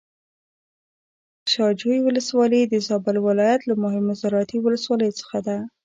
شاه جوی ولسوالي د زابل ولايت له مهمو زراعتي ولسواليو څخه ده.